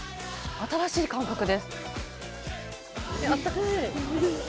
新しい感覚です。